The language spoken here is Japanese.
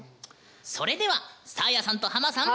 それではサーヤさんとハマさん